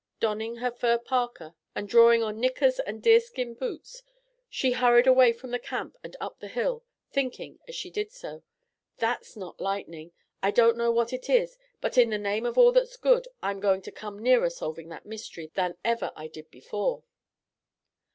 Donning her fur parka and drawing on knickers and deerskin boots, she hurried away from camp and up the hill, thinking as she did so: "That's not lightning. I don't know what it is, but in the name of all that's good, I'm going to come nearer solving that mystery than ever I did before."